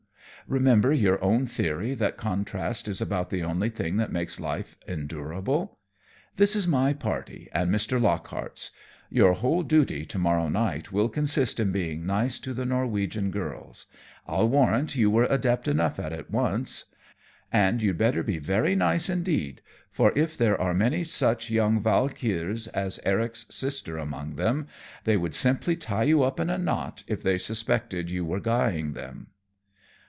Remember your own theory that contrast is about the only thing that makes life endurable. This is my party and Mr. Lockhart's; your whole duty to morrow night will consist in being nice to the Norwegian girls. I'll warrant you were adept enough at it once. And you'd better be very nice indeed, for if there are many such young valkyrs as Eric's sister among them, they would simply tie you up in a knot if they suspected you were guying them."